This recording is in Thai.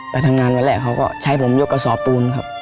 ไปทำงานเวลาใช้ผมยกกระซอบปูนครับ